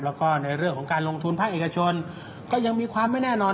แล้วก็ในเรื่องของการลงทุนภาคเอกชนก็ยังมีความไม่แน่นอน